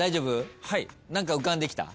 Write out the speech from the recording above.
何か浮かんできた？